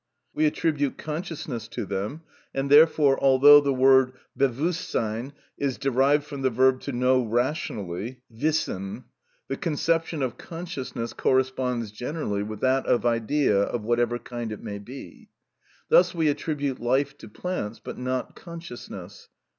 We attribute consciousness to them, and therefore although the word (bewusstsein) is derived from the verb to know rationally (wissen), the conception of consciousness corresponds generally with that of idea of whatever kind it may be. Thus we attribute life to plants, but not consciousness.